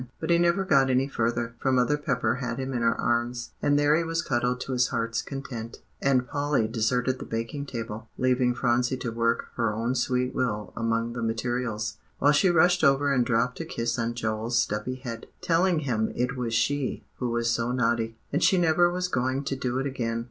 But he never got any further, for Mother Pepper had him in her arms, and there he was cuddled to his heart's content. And Polly deserted the baking table, leaving Phronsie to work her own sweet will among the materials, while she rushed over and dropped a kiss on Joel's stubby head, telling him it was she who was so naughty, and she never was going to do it again.